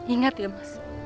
ingat ya mas